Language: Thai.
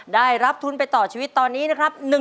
ได้รับทุนไปต่อชีวิตตอนนี้นะครับ